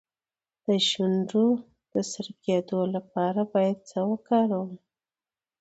د شونډو د سره کیدو لپاره باید څه شی وکاروم؟